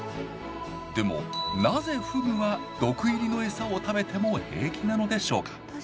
でもなぜフグは毒入りのを食べても平気なのでしょうか？